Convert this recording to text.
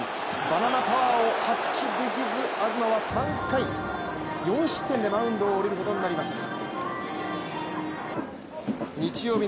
バナナパワーを発揮できず、東は３回４失点でマウンドを降りることになりました。